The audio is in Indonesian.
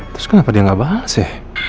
terus kenapa dia nggak bahas ya